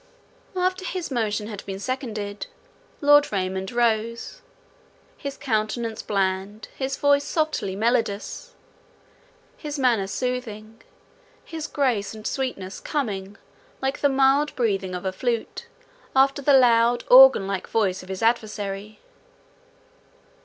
After his motion had been seconded, Lord Raymond rose,—his countenance bland, his voice softly melodious, his manner soothing, his grace and sweetness came like the mild breathing of a flute, after the loud, organ like voice of his adversary.